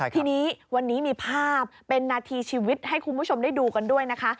ทีนี้วันนี้มีภาพเป็นนาทีชีวิตให้คุณผู้ชมได้ดูกันด้วยนะคะ